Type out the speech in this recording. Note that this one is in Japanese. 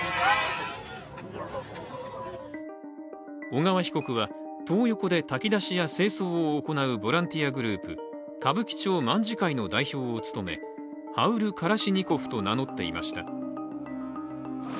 小川被告はトー横で炊き出しや清掃を行うボランティアグループ歌舞伎町卍会の代表を務めハウル・カラシニコフと名乗っていました。